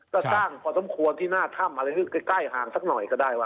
ก็สร้างพอสมควรที่หน้าถ้ำอะไรใกล้ห่างสักหน่อยก็ได้ว่า